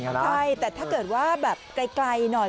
ใช่แต่ถ้าเกิดว่าแบบไกลหน่อย